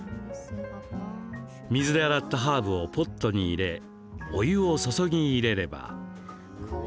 水で洗ったハーブをポットに入れお湯を注ぎ入れれば。